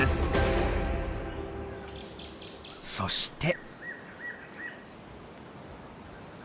そして。